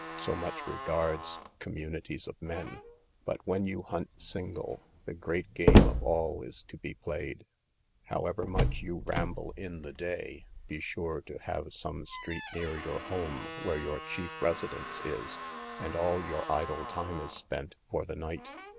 "So much regards communities of men; but when you hunt single, the great game of all is to be played. However much you ramble in the day, be sure to have some street near your home, where your chief residence is, and all your idle time is spent, for the night.